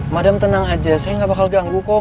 madam tenang aja saya nggak bakal ganggu kok